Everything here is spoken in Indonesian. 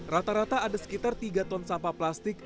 rata rata ada sekitar tiga ton sampah plastik